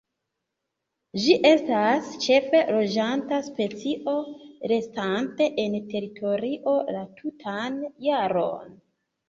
Ĝi estas ĉefe loĝanta specio, restante en teritorio la tutan jaron.